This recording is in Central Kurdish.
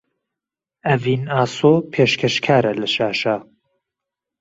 ئەڤین ئاسۆ پێشکەشکارە لە شاشە